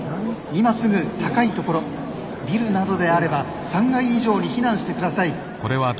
今すぐ高い所ビルなどであれば３階以上に避難してください。